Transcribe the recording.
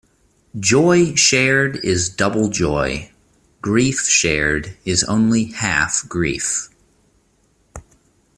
Joy shared is double joy; grief shared is only half grief.